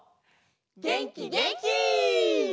げんきげんき！